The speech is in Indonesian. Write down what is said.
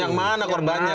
yang mana korbannya